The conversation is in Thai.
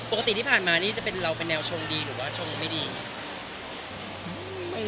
ปกติที่ผ่านมาแล้วนี่ชทนแนวชงดีหรือว่าชงไม่ดี